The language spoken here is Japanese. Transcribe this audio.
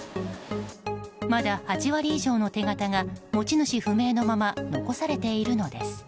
まだ８割以上の手形が持ち主不明のまま残されているのです。